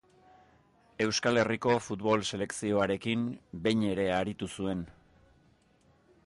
Euskal Herriko futbol selekzioarekin behin ere aritu zuen.